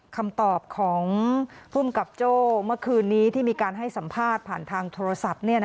คำตอบของภูมิกับโจ้เมื่อคืนนี้ที่มีการให้สัมภาษณ์ผ่านทางโทรศัพท์